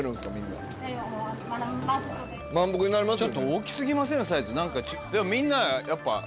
満腹になりますよね。